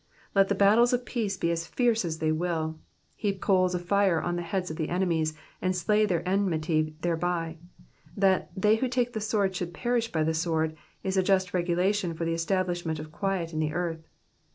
Let the battles of peace be as fierce as they will ; heap coals of fire on the heads of enemies, and slay their enmity thereby. That they who take the sword should perish by the sword/' is a just regula tion for the establishment of quiet in the earth.